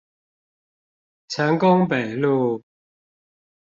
成功北路